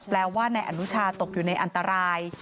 แปลว่านายอนุชาตกอยู่ในอันตราย